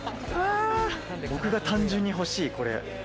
僕が単純に欲しい、これ。